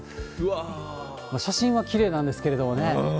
写真はきれいなんですけれどもね。